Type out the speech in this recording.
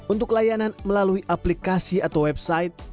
untuk layanan melalui aplikasi atau website